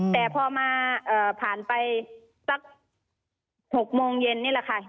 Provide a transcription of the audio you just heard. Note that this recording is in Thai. แต่พอมาผ่านไปสัก๖โมงเย็นนี่แหละค่ะ